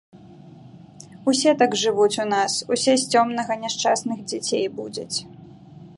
Усе так жывуць у нас, усе з цёмнага няшчасных дзяцей будзяць.